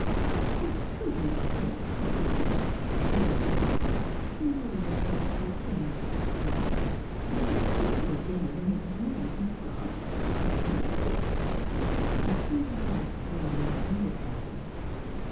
"For goodness' sake, Hoddy! " exclaimed Mrs. Hobbs, removing a quantity of pins from between her teeth, " you wouldn't eat your dinner when it was nice and hot, and now " He turned his head slowly and looked at her.